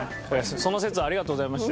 その節はありがとうございました。